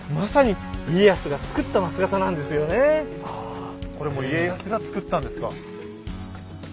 まさにああこれも家康が造ったんですか。